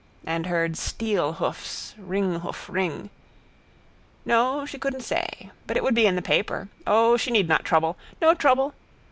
And heard steelhoofs ringhoof ring. No, she couldn't say. But it would be in the paper. O, she need not trouble. No trouble.